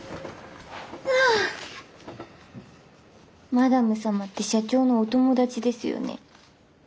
あマダム様って社長のお友達ですよね。